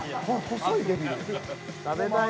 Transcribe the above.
細いデビルやん。